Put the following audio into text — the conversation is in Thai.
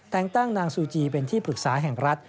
แต่งตั้งนางซูจีเป็นที่ปรึกษาแห่งรัฐ